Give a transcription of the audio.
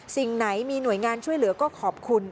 สิ่งไหนมีหน่วยงานช่วยเหลือก็ขอบคุณ